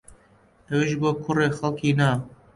ئەویش بۆ کوڕێ خەڵکی نا